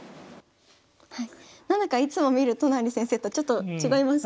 何だかいつも見る都成先生とちょっと違いますね。